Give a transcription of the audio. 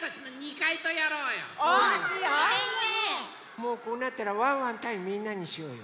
もうこうなったらワンワンたいみんなにしようよ。